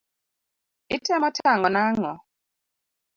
Itemo tang'o na ang'o?